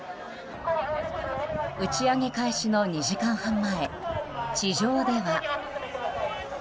打ち上げ開始の２時間半前地上では。